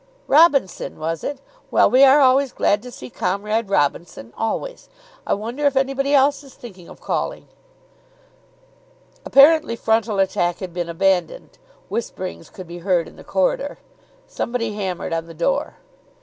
"Robinson, was it? Well, we are always glad to see Comrade Robinson, always. I wonder if anybody else is thinking of calling?" Apparently frontal attack had been abandoned. Whisperings could be heard in the corridor. Somebody hammered on the door.